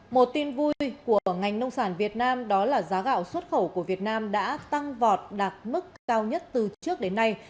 một tin vui của ngành nông sản việt nam đó là giá gạo xuất khẩu của việt nam đã tăng vọt đạt mức cao nhất từ trước đến nay